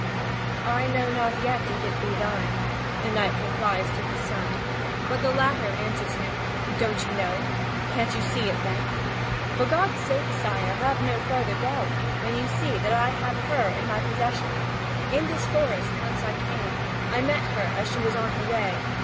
"I know not yet if it be thine," the knight replies to his son. But the latter answers him: "Don't you know? Can't you see it, then? For God's sake, sire, have no further doubt, when you see that I have her in my possession. In this forest, whence I come, I met her as she was on her way.